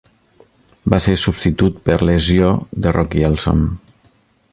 Va ser substitut per lesió de Rocky Elsom.